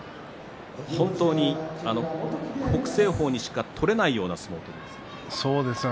本当に北青鵬にしか取れないような相撲ですね。